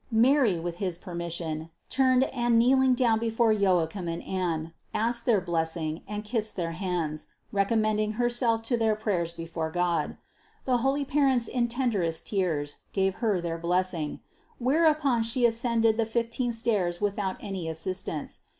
Mary, with his permission, turned and kneeling down before Joachim and Anne, asked their blessing and kissed their hands, recommending herself to their prayers before God. The holy parents in tenderest tears gave Her their blessing; whereupon She ascended the fifteen stairs without any assistance.